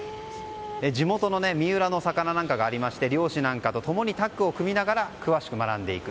地元の三浦の魚なんかがありまして漁師なんかと共にタッグを組みながら詳しく学んでいく。